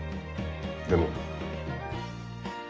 でも。